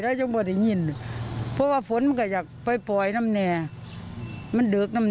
เข็มหวัดน้อยพอแล้วมาเจอวดสำคัญเนี่ยครับ